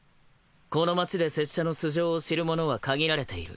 この町で拙者の素性を知る者は限られている。